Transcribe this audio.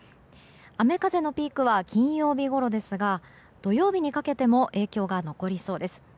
雨風のピークは金曜日ごろですが土曜日にかけても影響が残りそうです。